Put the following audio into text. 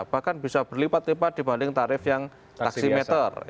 bahkan bisa berlipat lipat dibanding tarif yang taksi meter